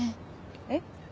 えっ？